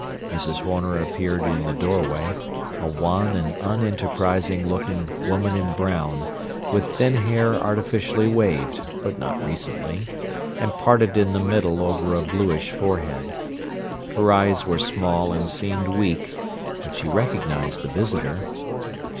Mrs. Horner appeared in the doorway, a wan and unenterprising looking woman in brown, with thin hair artificially waved—but not recently—and parted in the middle over a bluish forehead. Her eyes were small and seemed weak, but she recognized the visitor.